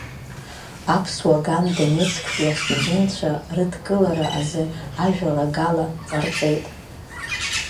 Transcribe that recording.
Аԥсуа ган Донецктәи астудентцәа рыдкылара азы ажәалагала ҟарҵеит.